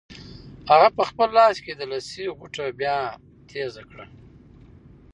هغه په خپل لاس کې د لسي غوټه بیا تېزه کړه.